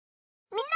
みんな！